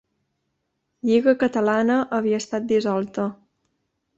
Lliga Catalana havia estat dissolta.